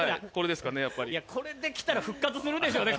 これできたら復活するでしょうね